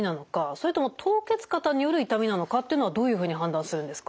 それとも凍結肩による痛みなのかっていうのはどういうふうに判断するんですか？